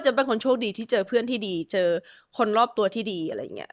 เป็นคนโชคดีที่เจอเพื่อนที่ดีเจอคนรอบตัวที่ดีอะไรอย่างนี้